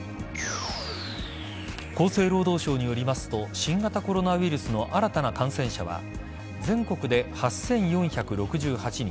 厚生労働省によりますと新型コロナウイルスの新たな感染者は全国で８４６８人